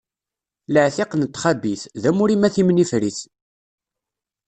Laɛtiq n txabit, d amur-im a timnifrit!